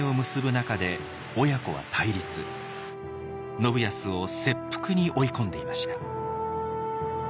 信康を切腹に追い込んでいました。